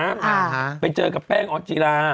อศิราพรไปเจอกับแป้งองศิราพร